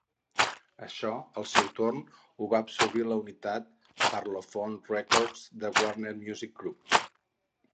Això, al seu torn, ho va absorbir la unitat Parlophone Records de Warner Music Group.